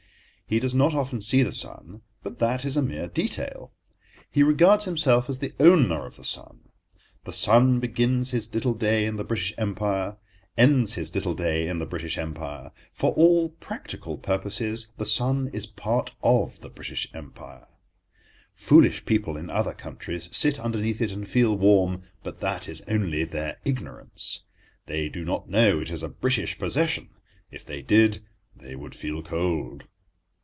He does not often see the sun, but that is a mere detail. He regards himself as the owner of the sun; the sun begins his little day in the British Empire, ends his little day in the British Empire: for all practical purposes the sun is part of the British Empire. Foolish people in other countries sit underneath it and feel warm, but that is only their ignorance. They do not know it is a British possession; if they did they would feel cold.